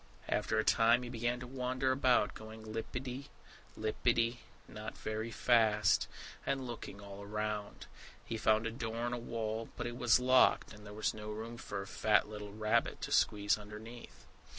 After a time he began to wander about, going lippity lippity not very fast, and looking all around. He found a door in a wall; but it was locked, and there was no room for a fat little rabbit to squeeze underneath.